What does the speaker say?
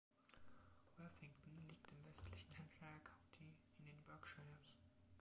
Worthington liegt im westlichen Hampshire County in den Berkshires.